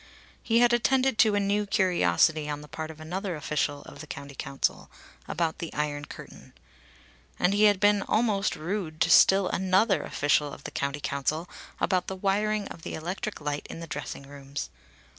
He had attended to a new curiosity on the part of another official of the County Council about the iron curtain. And he had been almost rude to still another official of the County Council about the wiring of the electric light in the dressing rooms.